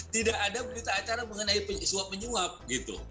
tidak ada berita acara mengenai penyuap penyuap gitu